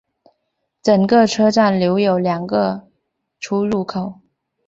整个车站留有两个出入口。